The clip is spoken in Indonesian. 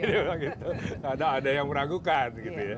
tidak ada yang meragukan